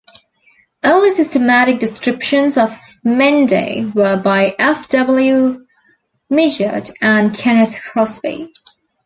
Early systematic descriptions of Mende were by F. W. Migeod and Kenneth Crosby.